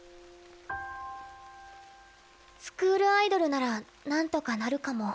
「スクールアイドルなら何とかなるかも」。